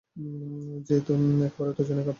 জি তো একেবারে উত্তেজনায় কাঁপছেন।